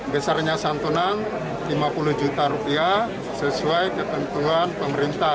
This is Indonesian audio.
besarnya santunan lima puluh juta rupiah sesuai ketentuan pemerintah